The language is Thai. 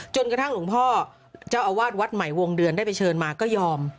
จนกระทั่งหลวงพ่อเจ้าอาวาสวัดใหม่วงเดือนได้ไปเชิญมาก็ยอม